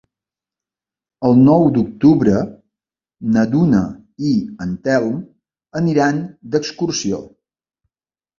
El nou d'octubre na Duna i en Telm aniran d'excursió.